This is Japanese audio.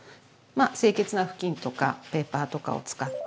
清潔な布巾とかペーパーとかを使って拭き取って。